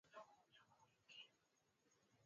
walipenda sana kuongea lugha zao kuliko kiswahili